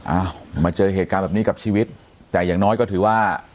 อ้าวมาเจอเหตุการณ์แบบนี้กับชีวิตแต่อย่างน้อยก็ถือว่า